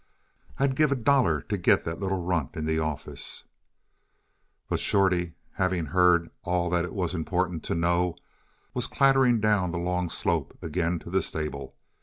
I'd give a dollar to get that little runt in the office " But Shorty, having heard all that it was important to know, was clattering down the long slope again to the stable.